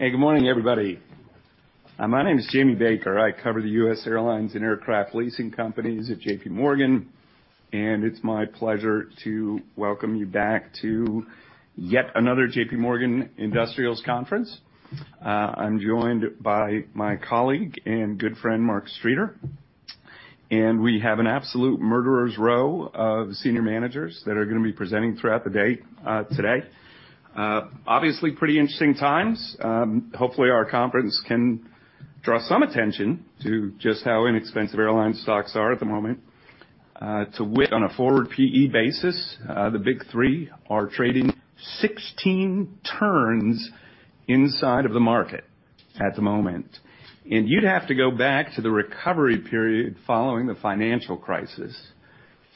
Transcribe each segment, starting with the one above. Hey, good morning, everybody. My name is Jamie Baker. I cover the U.S. Airlines and aircraft leasing companies at J.P. Morgan, and it's my pleasure to welcome you back to yet another J.P. Morgan Industrials Conference. I'm joined by my colleague and good friend Mark Streeter, and we have an absolute murderer's row of senior managers that are going to be presenting throughout the day, today. Obviously pretty interesting times. Hopefully our conference can draw some attention to just how inexpensive airline stocks are at the moment. To wit on a forward P/E basis, the Big Three are trading 16 turns inside of the market at the moment. And you'd have to go back to the recovery period following the financial crisis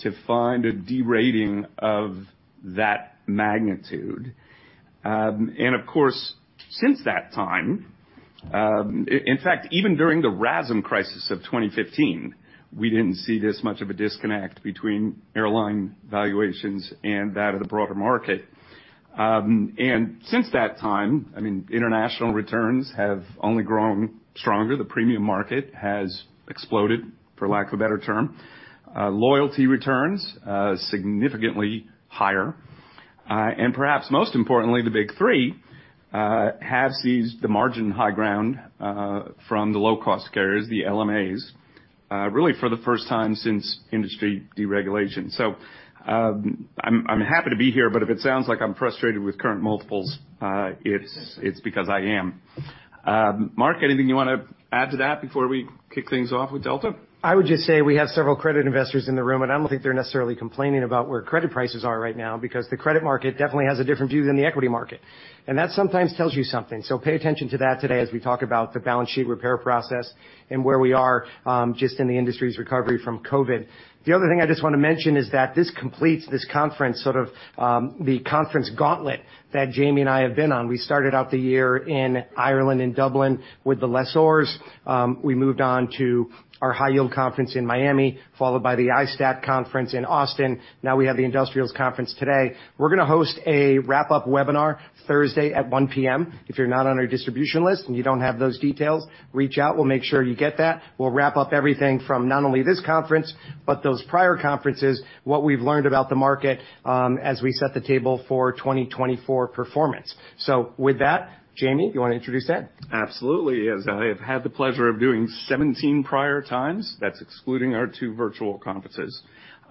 to find a de-rating of that magnitude. Of course, since that time, in fact, even during the RASM crisis of 2015, we didn't see this much of a disconnect between airline valuations and that of the broader market. Since that time, I mean, international returns have only grown stronger. The premium market has exploded, for lack of a better term. Loyalty returns significantly higher. Perhaps most importantly, the big three have seized the margin high ground from the low-cost carriers, the LMAs, really for the first time since industry deregulation. So, I'm happy to be here, but if it sounds like I'm frustrated with current multiples, it's because I am. Mark, anything you want to add to that before we kick things off with Delta? I would just say we have several credit investors in the room, and I don't think they're necessarily complaining about where credit prices are right now because the credit market definitely has a different view than the equity market. That sometimes tells you something. Pay attention to that today as we talk about the balance sheet repair process and where we are, just in the industry's recovery from COVID. The other thing I just want to mention is that this completes this conference sort of, the conference gauntlet that Jamie and I have been on. We started out the year in Ireland, in Dublin, with the lessors. We moved on to our high-yield conference in Miami, followed by the ISTAT conference in Austin. Now we have the Industrials Conference today. We're going to host a wrap-up webinar Thursday at 1:00 P.M. If you're not on our distribution list and you don't have those details, reach out. We'll make sure you get that. We'll wrap up everything from not only this conference but those prior conferences, what we've learned about the market, as we set the table for 2024 performance. So with that, Jamie, do you want to introduce that? Absolutely. As I have had the pleasure of doing 17 prior times, that's excluding our 2 virtual conferences.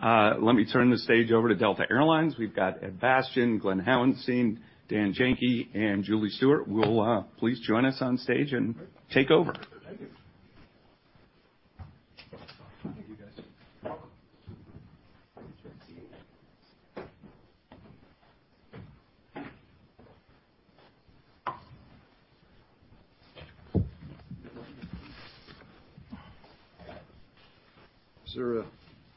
Let me turn the stage over to Delta Air Lines. We've got Ed Bastian, Glen Hauenstein, Dan Janki, and Julie Stewart. Well, please join us on stage and take over. Thank you. Thank you, guys. Welcome.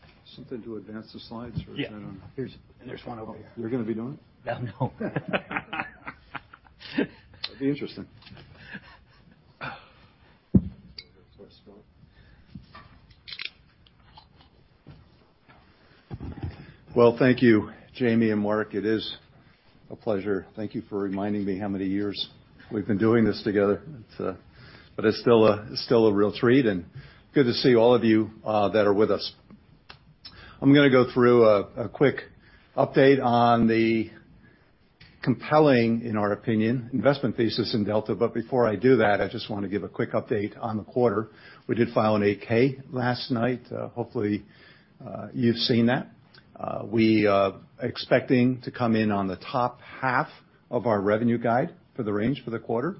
Is there something to advance the slides, or is that on? Yeah. Here's. And there's one over here. You're going to be doing it? Oh, no. That'd be interesting. Well, thank you, Jamie and Mark. It is a pleasure. Thank you for reminding me how many years we've been doing this together. It's, but it's still a real treat, and good to see all of you that are with us. I'm going to go through a quick update on the compelling, in our opinion, investment thesis in Delta. But before I do that, I just want to give a quick update on the quarter. We did file an 8K last night. Hopefully, you've seen that. We, expecting to come in on the top half of our revenue guide for the range for the quarter.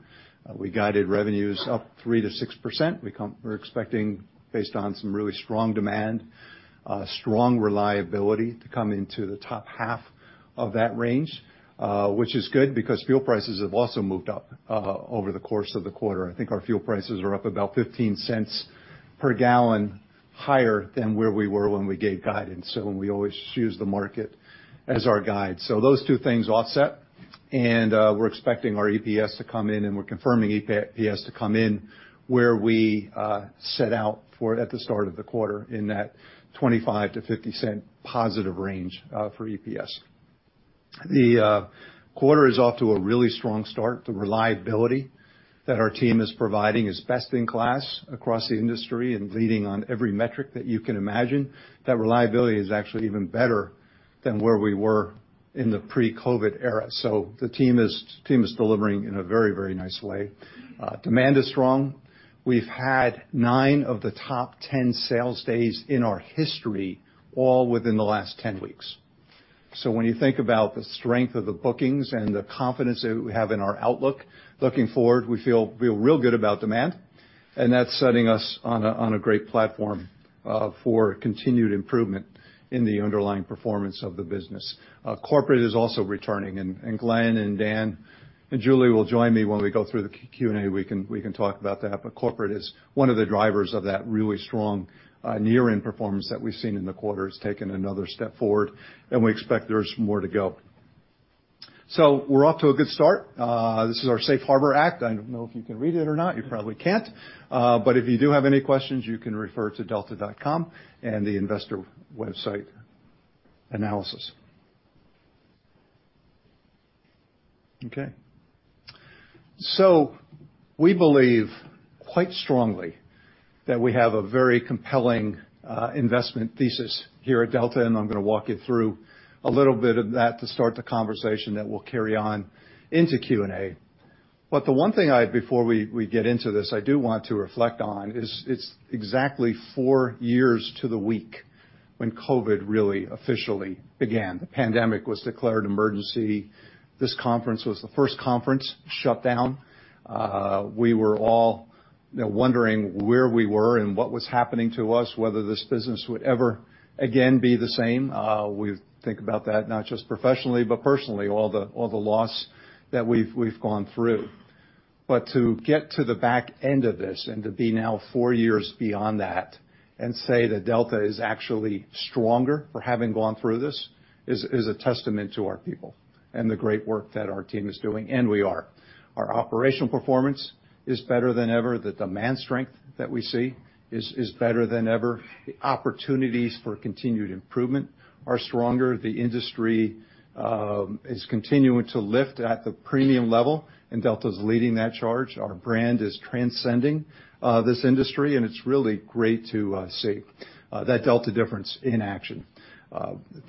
We guided revenues up 3%-6%. We, we're expecting, based on some really strong demand, strong reliability to come into the top half of that range, which is good because fuel prices have also moved up over the course of the quarter. I think our fuel prices are up about $0.15 per gallon higher than where we were when we gave guidance. So we always use the market as our guide. So those two things offset. We're expecting our EPS to come in, and we're confirming EPS to come in where we set out for at the start of the quarter in that $0.25-$0.50 positive range for EPS. The quarter is off to a really strong start. The reliability that our team is providing is best in class across the industry and leading on every metric that you can imagine. That reliability is actually even better than where we were in the pre-COVID era. So the team is delivering in a very, very nice way. Demand is strong. We've had 9 of the top 10 sales days in our history, all within the last 10 weeks. So when you think about the strength of the bookings and the confidence that we have in our outlook looking forward, we feel real good about demand. And that's setting us on a great platform for continued improvement in the underlying performance of the business. Corporate is also returning. And Glen, Dan, and Julie will join me when we go through the Q&A. We can talk about that. But corporate is one of the drivers of that really strong, near-term performance that we've seen in the quarter. It's taken another step forward, and we expect there's more to go. So we're off to a good start. This is our Safe Harbor Act. I don't know if you can read it or not. You probably can't. But if you do have any questions, you can refer to Delta.com and the investor website analysis. Okay. So we believe quite strongly that we have a very compelling investment thesis here at Delta. And I'm going to walk you through a little bit of that to start the conversation that will carry on into Q&A. But the one thing I before we get into this, I do want to reflect on is it's exactly four years to the week when COVID really officially began. The pandemic was declared emergency. This conference was the first conference shutdown. We were all, you know, wondering where we were and what was happening to us, whether this business would ever again be the same. We think about that not just professionally but personally, all the all the loss that we've, we've gone through. But to get to the back end of this and to be now four years beyond that and say that Delta is actually stronger for having gone through this is, is a testament to our people and the great work that our team is doing. And we are. Our operational performance is better than ever. The demand strength that we see is, is better than ever. The opportunities for continued improvement are stronger. The industry is continuing to lift at the premium level, and Delta's leading that charge. Our brand is transcending this industry. And it's really great to see that Delta difference in action.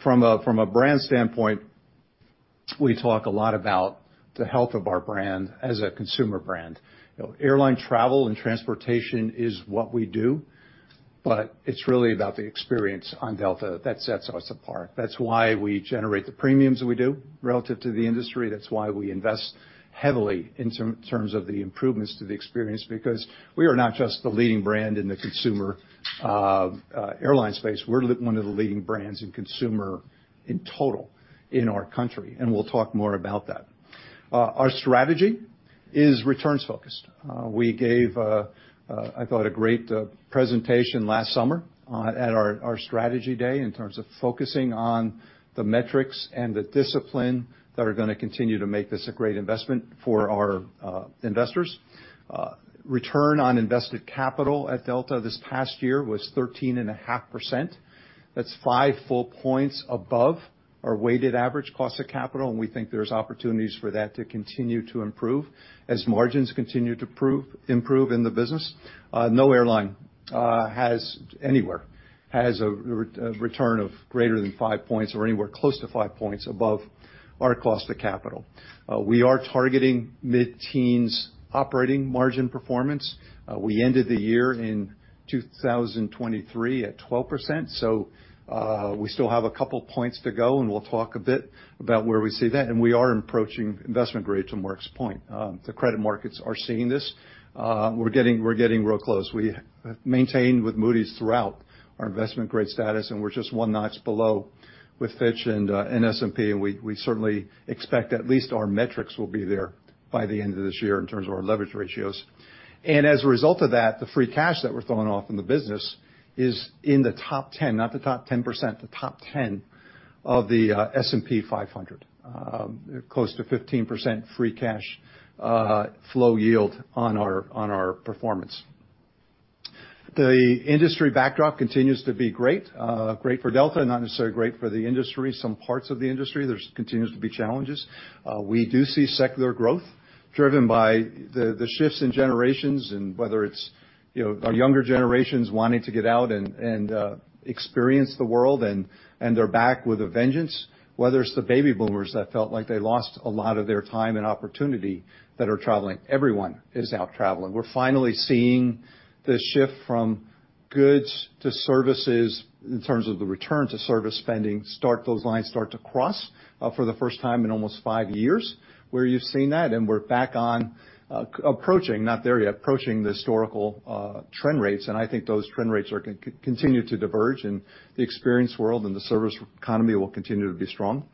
From a brand standpoint, we talk a lot about the health of our brand as a consumer brand. You know, airline travel and transportation is what we do, but it's really about the experience on Delta that sets us apart. That's why we generate the premiums we do relative to the industry. That's why we invest heavily in terms of the improvements to the experience because we are not just the leading brand in the consumer, airline space. We're one of the leading brands in consumer in total in our country. We'll talk more about that. Our strategy is returns-focused. We gave, I thought, a great presentation last summer at our strategy day in terms of focusing on the metrics and the discipline that are going to continue to make this a great investment for our investors. Return on invested capital at Delta this past year was 13.5%. That's five full points above our weighted average cost of capital. We think there's opportunities for that to continue to improve as margins continue to improve in the business. No airline has anywhere near a return greater than five points or anywhere close to five points above our cost of capital. We are targeting mid-teens operating margin performance. We ended the year in 2023 at 12%. So, we still have a couple points to go, and we'll talk a bit about where we see that. We are approaching investment grade to Mark's point. The credit markets are seeing this. We're getting real close. We maintained with Moody's throughout our investment grade status, and we're just one notch below with Fitch and S&P. We certainly expect at least our metrics will be there by the end of this year in terms of our leverage ratios. And as a result of that, the free cash that we're throwing off in the business is in the top 10, not the top 10%, the top 10 of the S&P 500, close to 15% free cash flow yield on our performance. The industry backdrop continues to be great, great for Delta, not necessarily great for the industry, some parts of the industry. There continues to be challenges. We do see secular growth driven by the shifts in generations and whether it's, you know, our younger generations wanting to get out and experience the world, and they're back with a vengeance, whether it's the baby boomers that felt like they lost a lot of their time and opportunity that are traveling. Everyone is out traveling. We're finally seeing the shift from goods to services in terms of the return to service spending. Those lines start to cross, for the first time in almost five years where you've seen that. And we're back on, approaching not there yet, approaching the historical, trend rates. And I think those trend rates are going to continue to diverge, and the experience world and the service economy will continue to be strong.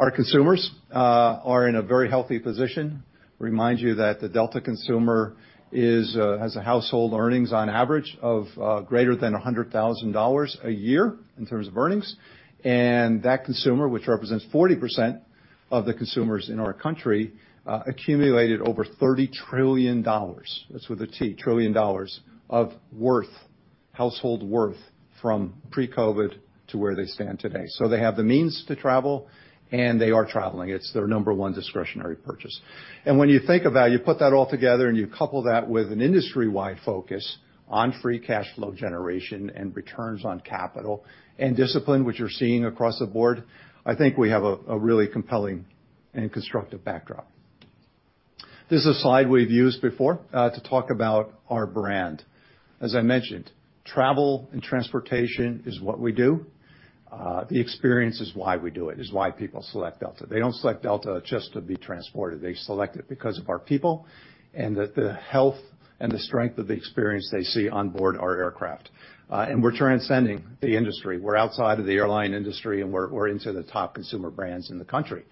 Our consumers are in a very healthy position. Remind you that the Delta consumer is, has a household earnings on average of, greater than $100,000 a year in terms of earnings. And that consumer, which represents 40% of the consumers in our country, accumulated over $30 trillion. That's with a T, trillion dollars of worth, household worth, from pre-COVID to where they stand today. So they have the means to travel, and they are traveling. It's their number one discretionary purchase. And when you think about it, you put that all together, and you couple that with an industry-wide focus on free cash flow generation and returns on capital and discipline, which you're seeing across the board, I think we have a really compelling and constructive backdrop. This is a slide we've used before, to talk about our brand. As I mentioned, travel and transportation is what we do. The experience is why we do it, is why people select Delta. They don't select Delta just to be transported. They select it because of our people and the, the health and the strength of the experience they see on board our aircraft. And we're transcending the industry. We're outside of the airline industry, and we're into the top consumer brands in the country.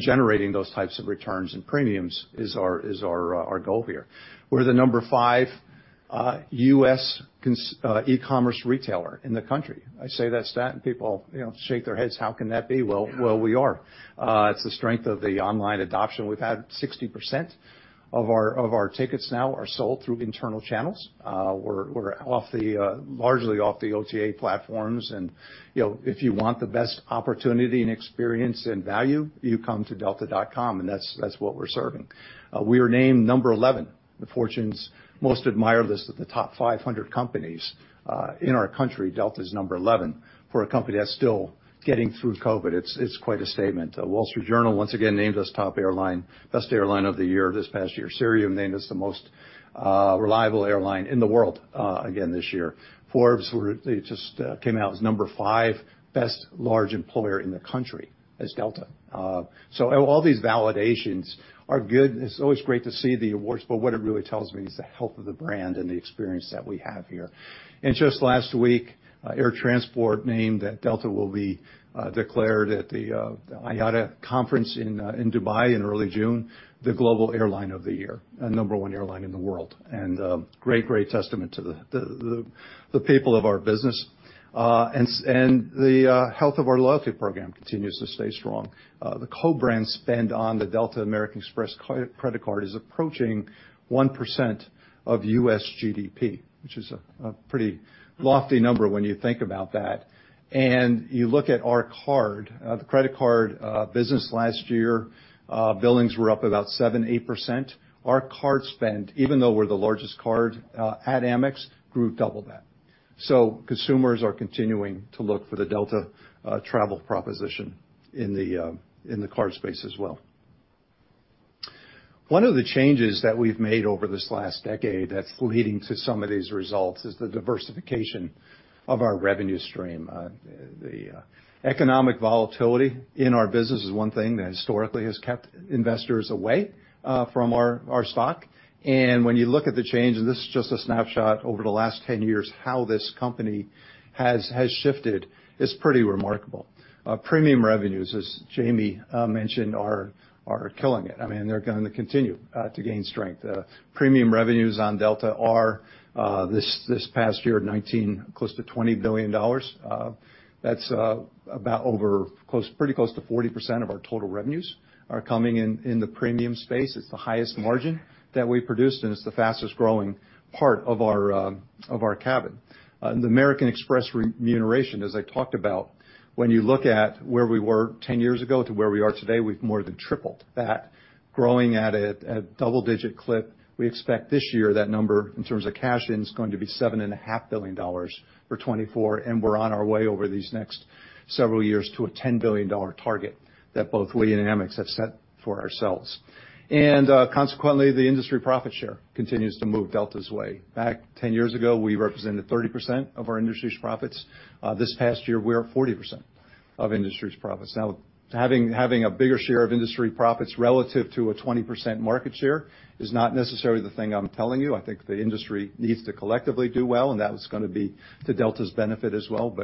Generating those types of returns and premiums is our goal here. We're the number 5 U.S. consumer e-commerce retailer in the country. I say that stat, and people, you know, shake their heads. How can that be? Well, we are. It's the strength of the online adoption. We've had 60% of our tickets now are sold through internal channels. We're largely off the OTA platforms. And, you know, if you want the best opportunity and experience and value, you come to delta.com. And that's what we're serving. We are named number 11 on Fortune's most admired of the top 500 companies in our country. Delta's number 11 for a company that's still getting through COVID. It's quite a statement. Wall Street Journal, once again, named us top airline, best airline of the year this past year. Cirium named us the most reliable airline in the world, again this year. Forbes, they just came out as number 5 best large employer in the country as Delta. All these validations are good. It's always great to see the awards. But what it really tells me is the health of the brand and the experience that we have here. Just last week, Air Transport World named that Delta will be declared at the IATA conference in Dubai in early June, the global airline of the year, number 1 airline in the world, and great testament to the people of our business. The health of our loyalty program continues to stay strong. The co-brand spend on the Delta American Express credit card is approaching 1% of U.S. GDP, which is a pretty lofty number when you think about that. And you look at our card, the credit card, business last year, billings were up about 7-8%. Our card spend, even though we're the largest card at AmEx, grew double that. So consumers are continuing to look for the Delta travel proposition in the card space as well. One of the changes that we've made over this last decade that's leading to some of these results is the diversification of our revenue stream. The economic volatility in our business is one thing that historically has kept investors away from our stock. And when you look at the change—and this is just a snapshot over the last 10 years—how this company has shifted is pretty remarkable. Premium revenues, as Jamie mentioned, are killing it. I mean, they're going to continue to gain strength. Premium revenues on Delta are, this past year, $19 billion close to $20 billion. That's about over close pretty close to 40% of our total revenues are coming in in the premium space. It's the highest margin that we produced, and it's the fastest growing part of our of our cabin. The American Express remuneration, as I talked about, when you look at where we were 10 years ago to where we are today, we've more than tripled that, growing at a double-digit clip. We expect this year that number in terms of cash-ins going to be $7.5 billion for 2024. We're on our way over these next several years to a $10 billion target that both we and AmEx have set for ourselves. Consequently, the industry profit share continues to move Delta's way. Back 10 years ago, we represented 30% of our industry's profits. This past year, we're at 40% of industry's profits. Now, having a bigger share of industry profits relative to a 20% market share is not necessarily the thing I'm telling you. I think the industry needs to collectively do well, and that's going to be to Delta's benefit as well.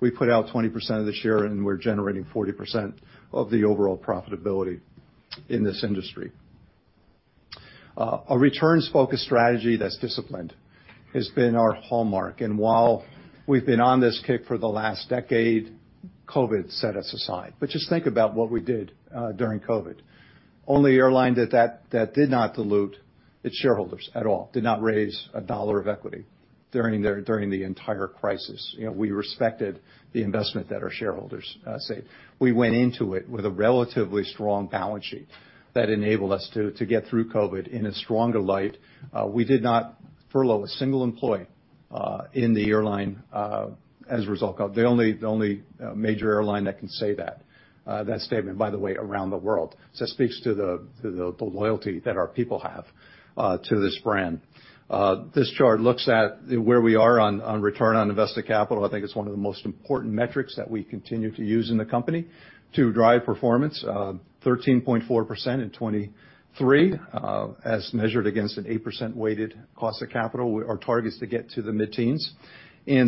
We put out 20% of the share, and we're generating 40% of the overall profitability in this industry. A returns-focused strategy that's disciplined has been our hallmark. While we've been on this kick for the last decade, COVID set us aside. But just think about what we did during COVID. Only airline that did not dilute its shareholders at all, did not raise a dollar of equity during the entire crisis. You know, we respected the investment that our shareholders saved. We went into it with a relatively strong balance sheet that enabled us to get through COVID in a stronger light. We did not furlough a single employee in the airline as a result. The only major airline that can say that statement, by the way, around the world. So it speaks to the loyalty that our people have to this brand. This chart looks at where we are on return on invested capital. I think it's one of the most important metrics that we continue to use in the company to drive performance, 13.4% in 2023, as measured against an 8% weighted cost of capital. We, our target is to get to the mid-teens.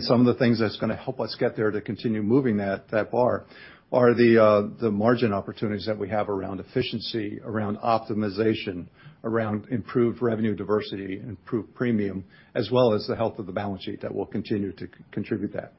Some of the things that's going to help us get there to continue moving that, that bar are the, the margin opportunities that we have around efficiency, around optimization, around improved revenue diversity, improved premium, as well as the health of the balance sheet that will continue to contribute that.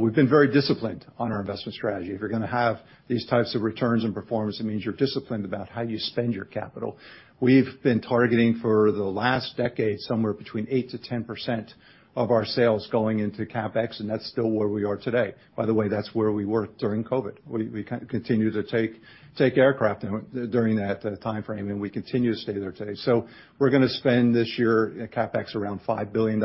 We've been very disciplined on our investment strategy. If you're going to have these types of returns and performance, it means you're disciplined about how you spend your capital. We've been targeting for the last decade somewhere between 8%-10% of our sales going into CapEx. That's still where we are today. By the way, that's where we were during COVID. We continue to take aircraft during that time frame, and we continue to stay there today. So we're going to spend this year CapEx around $5 billion.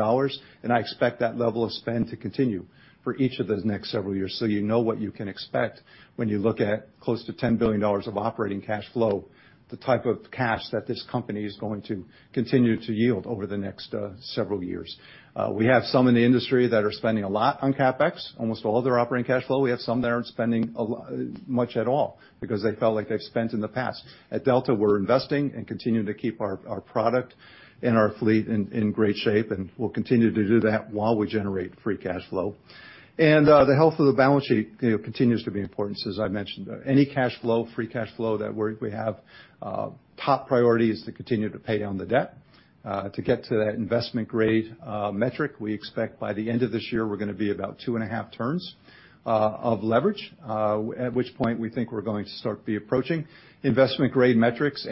And I expect that level of spend to continue for each of the next several years. So you know what you can expect when you look at close to $10 billion of operating cash flow, the type of cash that this company is going to continue to yield over the next several years. We have some in the industry that are spending a lot on CapEx, almost all their operating cash flow. We have some that aren't spending a lot much at all because they felt like they've spent in the past. At Delta, we're investing and continuing to keep our product and our fleet in great shape. We'll continue to do that while we generate free cash flow. The health of the balance sheet, you know, continues to be important, as I mentioned. Any cash flow, free cash flow that we have, top priority is to continue to pay down the debt to get to that investment grade metric. We expect by the end of this year, we're going to be about 2.5 turns of leverage, at which point we think we're going to start be approaching investment grade metrics.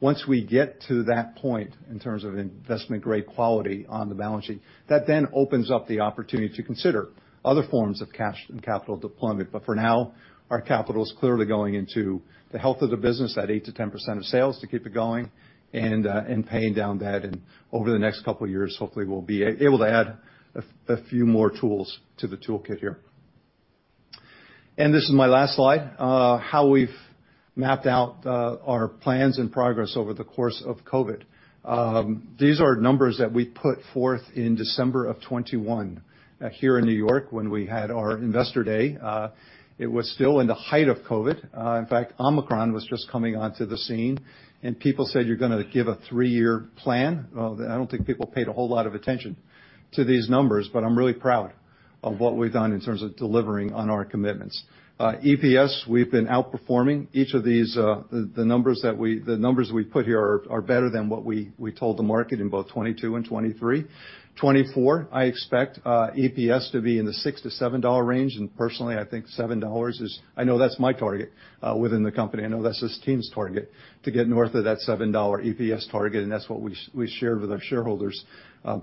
Once we get to that point in terms of investment grade quality on the balance sheet, that then opens up the opportunity to consider other forms of cash and capital deployment. But for now, our capital is clearly going into the health of the business, that 8%-10% of sales, to keep it going and paying down debt. And over the next couple of years, hopefully, we'll be able to add a few more tools to the toolkit here. And this is my last slide, how we've mapped out our plans and progress over the course of COVID. These are numbers that we put forth in December of 2021, here in New York when we had our Investor Day. It was still in the height of COVID. In fact, Omicron was just coming onto the scene. And people said, "You're going to give a three-year plan." Well, I don't think people paid a whole lot of attention to these numbers. But I'm really proud of what we've done in terms of delivering on our commitments. EPS, we've been outperforming. Each of these, the numbers that we put here are better than what we told the market in both 2022 and 2023. 2024, I expect EPS to be in the $6-7 range. And personally, I think $7 is. I know that's my target within the company. I know that's this team's target to get north of that $7 EPS target. And that's what we shared with our shareholders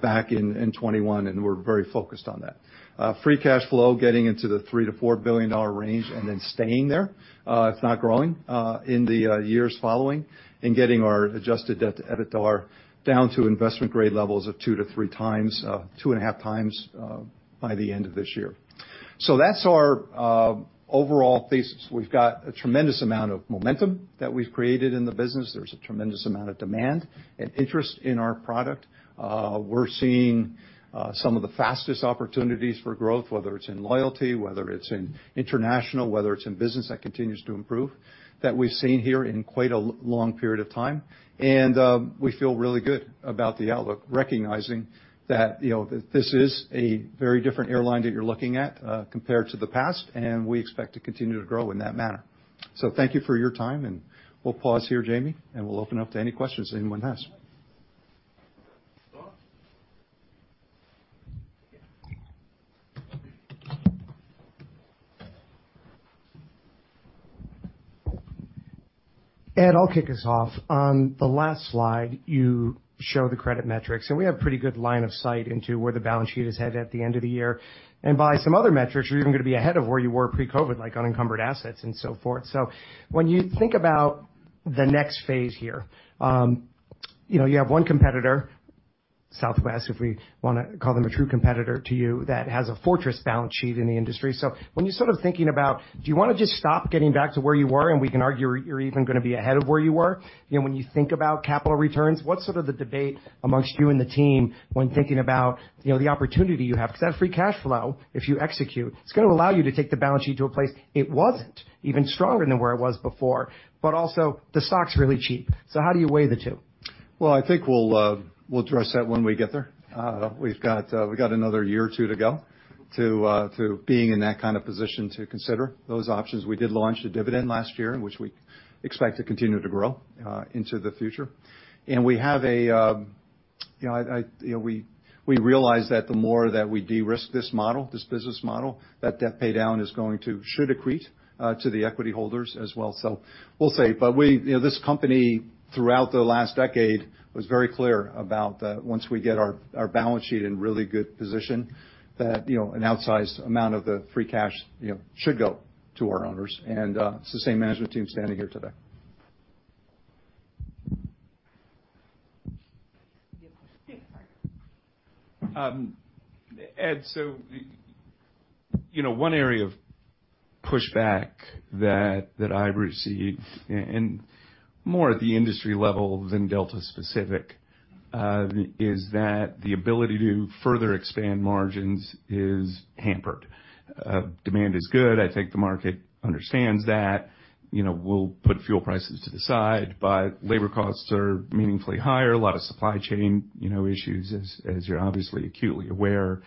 back in 2021. And we're very focused on that. Free cash flow, getting into the $3-4 billion range and then staying there, if not growing, in the years following and getting our adjusted debt to EBITDAR down to investment grade levels of 2-3 times, 2.5 times, by the end of this year. So that's our overall thesis. We've got a tremendous amount of momentum that we've created in the business. There's a tremendous amount of demand and interest in our product. We're seeing some of the fastest opportunities for growth, whether it's in loyalty, whether it's in international, whether it's in business that continues to improve that we've seen here in quite a long period of time. And we feel really good about the outlook, recognizing that, you know, this is a very different airline that you're looking at, compared to the past. And we expect to continue to grow in that manner. So thank you for your time. And we'll pause here, Jamie. And we'll open up to any questions anyone has. Ed, I'll kick us off. On the last slide, you show the credit metrics. We have a pretty good line of sight into where the balance sheet is headed at the end of the year and by some other metrics you're even going to be ahead of where you were pre-COVID, like unencumbered assets and so forth. So when you think about the next phase here, you know, you have one competitor, Southwest, if we want to call them a true competitor to you, that has a fortress balance sheet in the industry. So when you're sort of thinking about, "Do you want to just stop getting back to where you were? And we can argue you're even going to be ahead of where you were," you know, when you think about capital returns, what's sort of the debate amongst you and the team when thinking about, you know, the opportunity you have? Because that free cash flow, if you execute, it's going to allow you to take the balance sheet to a place it wasn't even stronger than where it was before. But also, the stock's really cheap. So how do you weigh the two? Well, I think we'll address that when we get there. We've got another year or two to go to being in that kind of position to consider those options. We did launch a dividend last year, which we expect to continue to grow into the future. And we have a, you know, I, you know, we realize that the more that we de-risk this model, this business model, that debt paydown is going to should accrete to the equity holders as well. So we'll say. But we, you know, this company throughout the last decade was very clear about, once we get our balance sheet in really good position, that, you know, an outsized amount of the free cash, you know, should go to our owners. And it's the same management team standing here today. Ed, so, you know, one area of pushback that I receive, and more at the industry level than Delta specific, is that the ability to further expand margins is hampered. Demand is good. I think the market understands that. You know, we'll put fuel prices to the side. But labor costs are meaningfully higher, a lot of supply chain, you know, issues, as you're obviously acutely aware.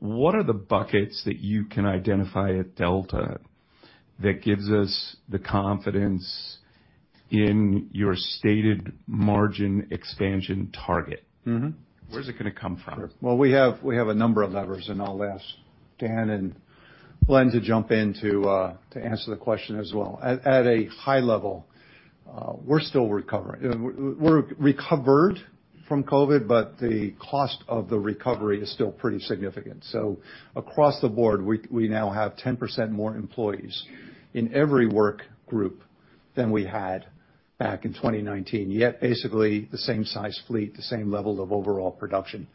What are the buckets that you can identify at Delta that gives us the confidence in your stated margin expansion target? Mm-hmm. Where's it going to come from? Well, we have we have a number of levers in all this. Dan and Glen to jump into, to answer the question as well. At a high level, we're still recovering. We're recovered from COVID. But the cost of the recovery is still pretty significant. So across the board, we now have 10% more employees in every work group than we had back in 2019, yet basically the same size fleet, the same level of overall production,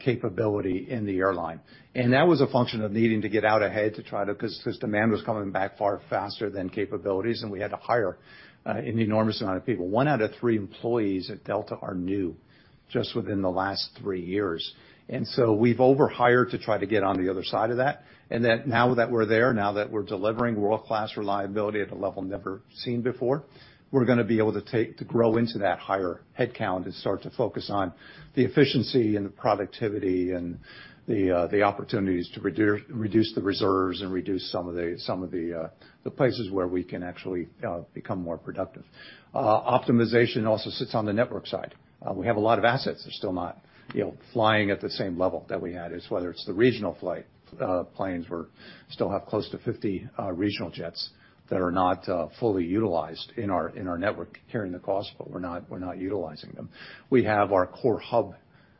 capability in the airline. And that was a function of needing to get out ahead to try to because demand was coming back far faster than capabilities. And we had to hire an enormous amount of people. One out of three employees at Delta are new just within the last three years. And so we've overhired to try to get on the other side of that. And that now that we're there, now that we're delivering world-class reliability at a level never seen before, we're going to be able to take to grow into that higher headcount and start to focus on the efficiency and the productivity and the, the opportunities to reduce, reduce the reserves and reduce some of the some of the, the places where we can actually, become more productive. Optimization also sits on the network side. We have a lot of assets that are still not, you know, flying at the same level that we had. It's whether it's the regional flight planes. We still have close to 50 regional jets that are not, fully utilized in our in our network, carrying the costs. But we're not we're not utilizing them. We have our core hub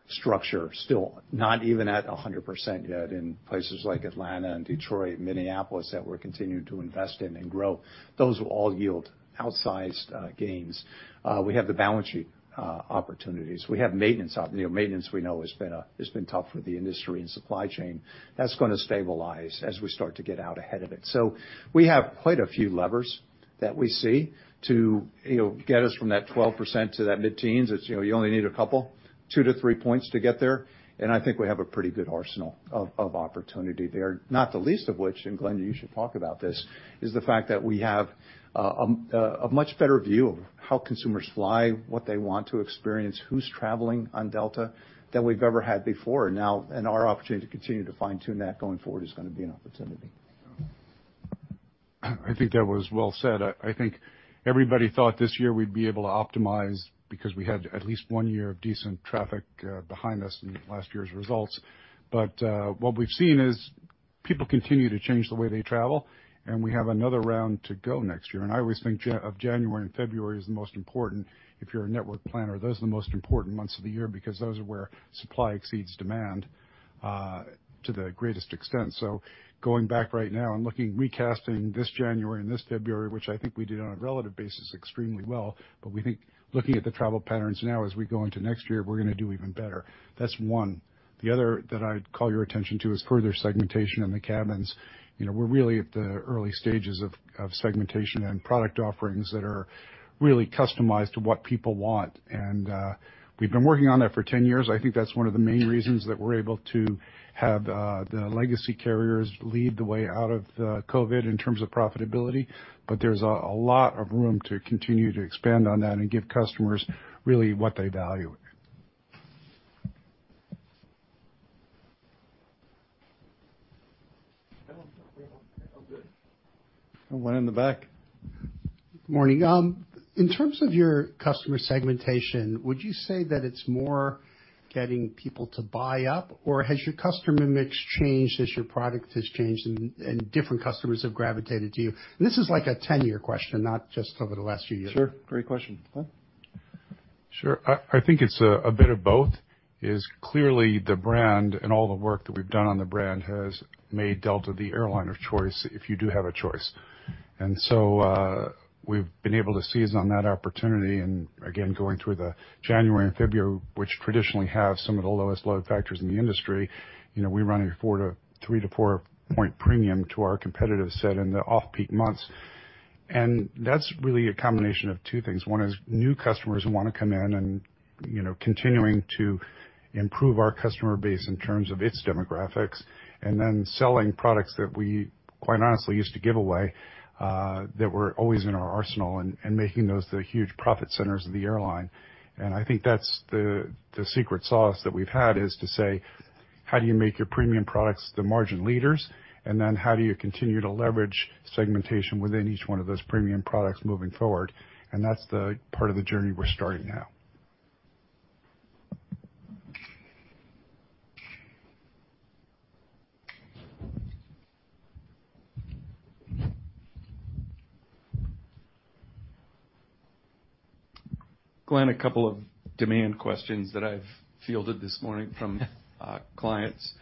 structure still not even at 100% yet in places like Atlanta, Detroit, and Minneapolis that we're continuing to invest in and grow. Those will all yield outsized gains. We have the balance sheet opportunities. We have maintenance opportunities. You know, maintenance, we know, has been tough for the industry and supply chain. That's going to stabilize as we start to get out ahead of it. So we have quite a few levers that we see to, you know, get us from that 12% to that mid-teens. It's, you know, you only need a couple, 2-3 points to get there. I think we have a pretty good arsenal of opportunity there, not the least of which, and Glen, you should talk about this, is the fact that we have a much better view of how consumers fly, what they want to experience, who's traveling on Delta than we've ever had before. And now our opportunity to continue to fine-tune that going forward is going to be an opportunity. I think that was well said. I think everybody thought this year we'd be able to optimize because we had at least one year of decent traffic behind us in last year's results. But what we've seen is people continue to change the way they travel. And we have another round to go next year. And I always think January and February is the most important. If you're a network planner, those are the most important months of the year because those are where supply exceeds demand, to the greatest extent. So going back right now and looking recasting this January and this February, which I think we did on a relative basis extremely well, but we think looking at the travel patterns now as we go into next year, we're going to do even better. That's one. The other that I'd call your attention to is further segmentation in the cabins. You know, we're really at the early stages of segmentation and product offerings that are really customized to what people want. We've been working on that for 10 years. I think that's one of the main reasons that we're able to have the legacy carriers lead the way out of the COVID in terms of profitability. But there's a lot of room to continue to expand on that and give customers really what they value. One in the back. Good morning. In terms of your customer segmentation, would you say that it's more getting people to buy up? Or has your customer mix changed as your product has changed and different customers have gravitated to you? And this is like a 10-year question, not just over the last few years. Sure. Great question. Sure. I think it's a bit of both. It's clearly the brand and all the work that we've done on the brand has made Delta the airline of choice if you do have a choice. And so, we've been able to seize on that opportunity. And again, going through the January and February, which traditionally have some of the lowest load factors in the industry, you know, we run a 3- to 4-point premium to our competitive set in the off-peak months. And that's really a combination of two things. One is new customers who want to come in and, you know, continuing to improve our customer base in terms of its demographics and then selling products that we, quite honestly, used to give away, that were always in our arsenal and making those the huge profit centers of the airline. And I think that's the secret sauce that we've had is to say, "How do you make your premium products the margin leaders? And then how do you continue to leverage segmentation within each one of those premium products moving forward?" And that's thepart of the journey we're starting now. Glen, a couple of demand questions that I've fielded this morning from clients.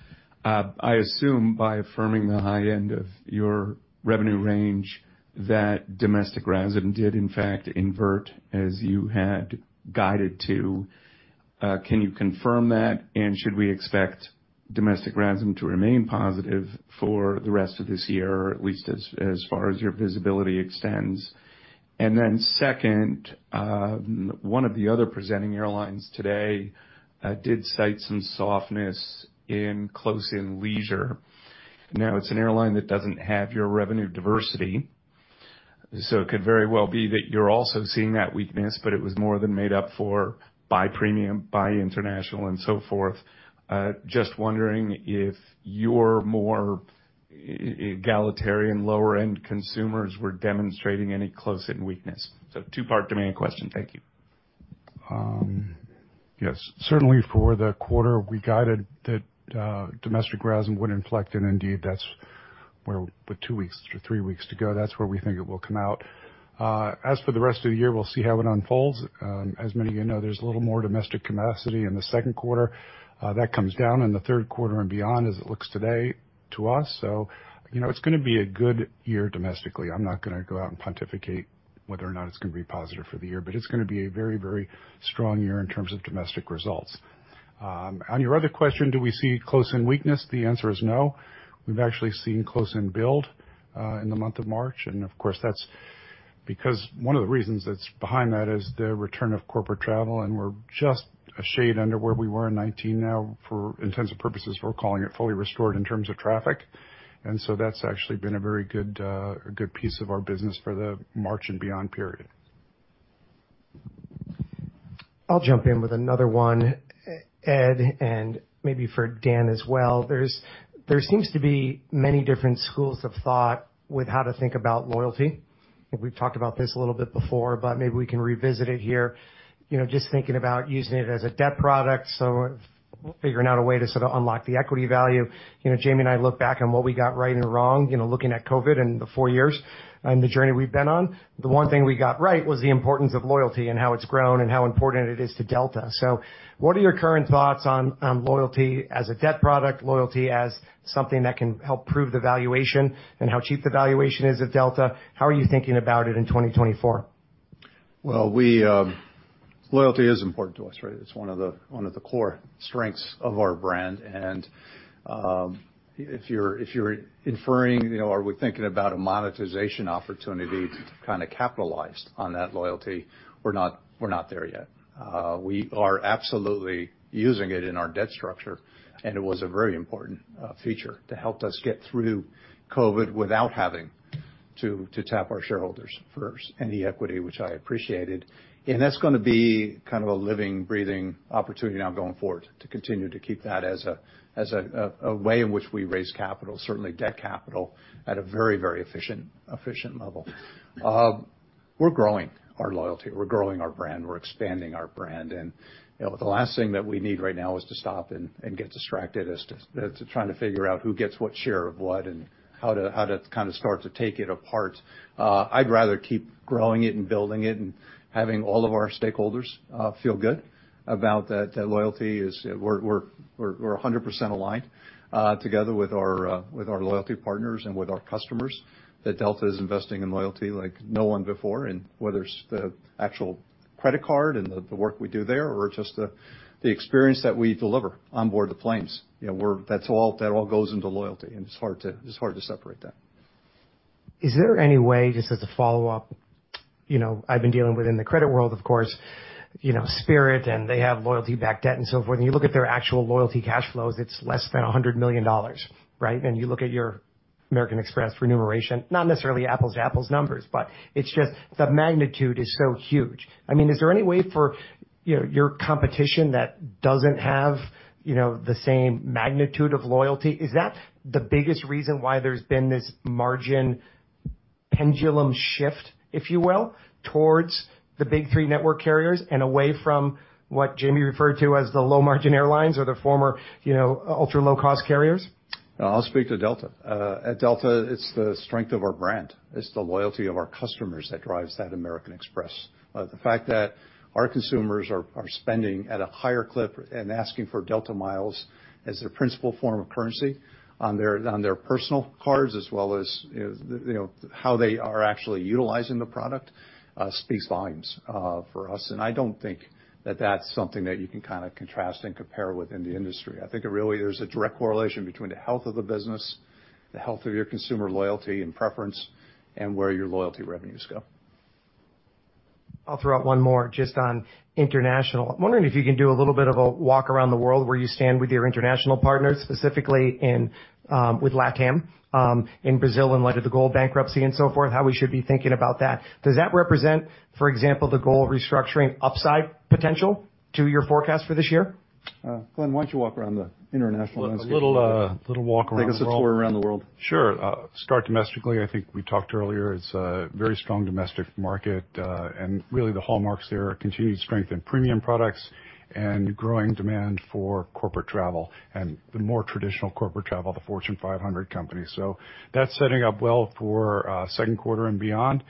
I assume by affirming the high end of your revenue range that domestic RASM did, in fact, invert as you had guided to. Can you confirm that? And should we expect domestic RASM to remain positive for the rest of this year, or at least as far as your visibility extends? And then second, one of the other presenting airlines today did cite some softness in close-in leisure. Now, it's an airline that doesn't have your revenue diversity. So it could very well be that you're also seeing that weakness. But it was more than made up for by premium, by international, and so forth. Just wondering if your more egalitarian lower-end consumers were demonstrating any close-in weakness. So two-part demand question. Thank you. Yes. Certainly, for the quarter we guided that domestic RASM would inflect, and indeed, that's where with 2 weeks or 3 weeks to go, that's where we think it will come out. As for the rest of the year, we'll see how it unfolds. As many of you know, there's a little more domestic capacity in the second quarter. That comes down in the third quarter and beyond as it looks today to us. So, you know, it's going to be a good year domestically. I'm not going to go out and pontificate whether or not it's going to be positive for the year. But it's going to be a very, very strong year in terms of domestic results. On your other question, do we see close-in weakness? The answer is no. We've actually seen close-in build, in the month of March. And of course, that's because one of the reasons that's behind that is the return of corporate travel. And we're just a shade under where we were in 2019 now. For intents and purposes, we're calling it fully restored in terms of traffic. And so that's actually been a very good, a good piece of our business for the March and beyond period. I'll jump in with another one, Ed, and maybe for Dan as well. There seems to be many different schools of thought with how to think about loyalty. And we've talked about this a little bit before. But maybe we can revisit it here, you know, just thinking about using it as a debt product. So figuring out a way to sort of unlock the equity value. You know, Jamie and I look back on what we got right and wrong, you know, looking at COVID and the four years and the journey we've been on. The one thing we got right was the importance of loyalty and how it's grown and how important it is to Delta. So what are your current thoughts on loyalty as a debt product, loyalty as something that can help prove the valuation, and how cheap the valuation is of Delta? How are you thinking about it in 2024? Well, loyalty is important to us, right? It's one of the core strengths of our brand. And if you're inferring, you know, are we thinking about a monetization opportunity to kind of capitalize on that loyalty? We're not there yet. We are absolutely using it in our debt structure. And it was a very important feature to help us get through COVID without having to tap our shareholders for any equity, which I appreciated. And that's going to be kind of a living, breathing opportunity now going forward to continue to keep that as a way in which we raise capital, certainly debt capital, at a very efficient level. We're growing our loyalty. We're growing our brand. We're expanding our brand. And, you know, the last thing that we need right now is to stop and get distracted as to trying to figure out who gets what share of what and how to kind of start to take it apart. I'd rather keep growing it and building it and having all of our stakeholders feel good about that, that loyalty is we're 100% aligned together with our loyalty partners and with our customers that Delta is investing in loyalty like no one before. And whether it's the actual credit card and the work we do there or just the experience that we deliver onboard the planes, you know, we're that's all that all goes into loyalty. And it's hard to separate that. Is there any way, just as a follow-up, you know, I've been dealing with in the credit world, of course, you know, Spirit, and they have loyalty-backed debt and so forth. And you look at their actual loyalty cash flows, it's less than $100 million, right? You look at your American Express remuneration, not necessarily Apple's numbers. It's just the magnitude is so huge. I mean, is there any way for, you know, your competition that doesn't have, you know, the same magnitude of loyalty, is that the biggest reason why there's been this margin pendulum shift, if you will, towards the big three network carriers and away from what Jamie referred to as the low-margin airlines or the former, you know, ultra-low-cost carriers? I'll speak to Delta. At Delta, it's the strength of our brand. It's the loyalty of our customers that drives that American Express. The fact that our consumers are spending at a higher clip and asking for Delta miles as their principal form of currency on their personal cards as well as, you know, how they are actually utilizing the product, speaks volumes for us. I don't think that that's something that you can kind of contrast and compare with in the industry. I think it really there's a direct correlation between the health of the business, the health of your consumer loyalty and preference, and where your loyalty revenues go. I'll throw out one more just on international. I'm wondering if you can do a little bit of a walk around the world where you stand with your international partners, specifically with LATAM, in Brazil in light of the GOL bankruptcy and so forth, how we should be thinking about that. Does that represent, for example, the GOL restructuring upside potential to your forecast for this year? Glen, why don't you walk around the international landscape? A little, little walk around the world. I think it's a tour around the world. Sure. Start domestically. I think we talked earlier. It's a very strong domestic market. And really, the hallmarks there are continued strength in premium products and growing demand for corporate travel and the more traditional corporate travel, the Fortune 500 companies. So that's setting up well for second quarter and beyond.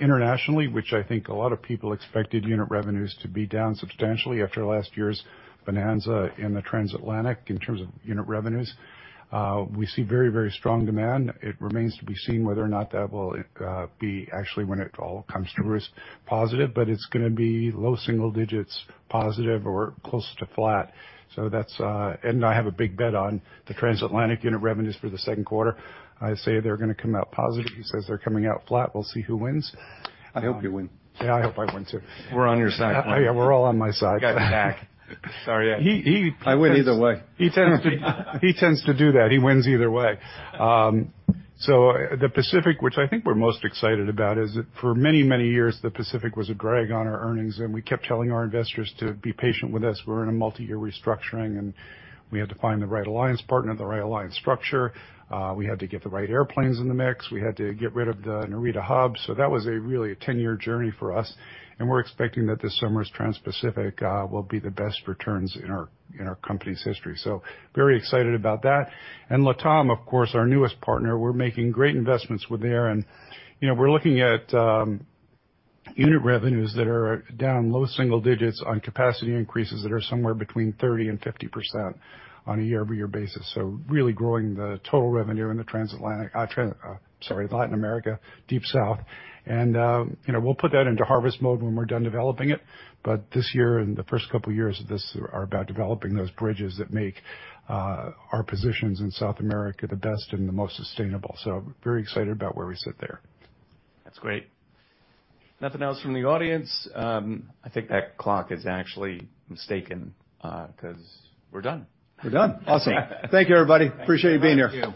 Internationally, which I think a lot of people expected unit revenues to be down substantially after last year's bonanza in the transatlantic in terms of unit revenues, we see very, very strong demand. It remains to be seen whether or not that will be actually when it all comes to roost positive. But it's going to be low single digits positive or close to flat. So that's, and I have a big bet on the transatlantic unit revenues for the second quarter. I say they're going to come out positive. He says they're coming out flat. We'll see who wins. I hope you win. Yeah, I hope I win too. We're on your side, Glen. Yeah, we're all on my side. Got it back. Sorry. Yeah. He I win either way. He tends to do that. He wins either way. So the Pacific, which I think we're most excited about, is that for many, many years, the Pacific was a drag on our earnings. And we kept telling our investors to be patient with us. We're in a multi-year restructuring. And we had to find the right alliance partner, the right alliance structure. We had to get the right airplanes in the mix. We had to get rid of the Narita hub. So that was really a 10-year journey for us. And we're expecting that this summer's Trans-Pacific will be the best returns in our company's history. So very excited about that. And LATAM, of course, our newest partner. We're making great investments with there. And, you know, we're looking at unit revenues that are down low single digits on capacity increases that are somewhere between 30%-50% on a year-over-year basis. So really growing the total revenue in the transatlantic trans sorry, Latin America, Deep South. And, you know, we'll put that into harvest mode when we're done developing it. But this year and the first couple of years of this are about developing those bridges that make our positions in South America the best and the most sustainable. So very excited about where we sit there. That's great. Nothing else from the audience? I think that clock is actually mistaken, because we're done. We're done. Awesome. Thank you, everybody. Appreciate you being here.